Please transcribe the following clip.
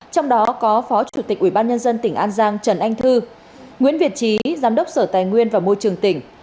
trong đó có phó chủ tịch ubnd tỉnh an giang trần anh thư nguyễn việt trí giám đốc sở tài nguyên và môi trường tỉnh